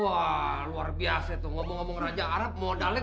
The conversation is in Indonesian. wah luar biasa tuh ngomong ngomong raja arab modalnya gede tuh